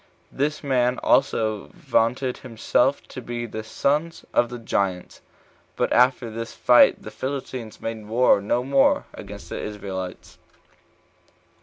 This man also vaunted himself to be of the sons of the giants. But after this fight the Philistines made war no more against the Israelites.